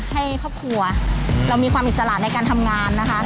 ให้ครอบครัวความอิสระในการทำงาน